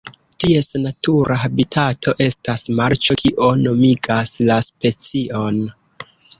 Ties natura habitato estas marĉo kio nomigas la specion.